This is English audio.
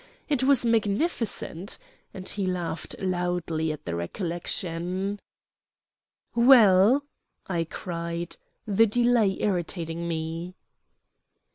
It was magnificent," and he laughed loudly at the recollection. "Well?" I cried, the delay irritating me.